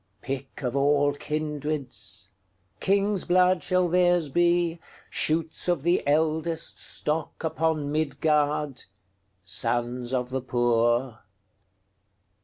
Pick of all kindreds, King's blood shall theirs be, Shoots of the eldestStock upon Midgard, Sons of the poor.